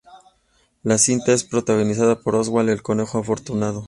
La cinta es protagonizada por Oswald el conejo afortunado.